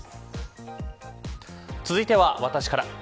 続いては私から。